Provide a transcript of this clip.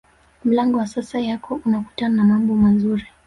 mlango wa sasa yako unakutana na mambo mazuri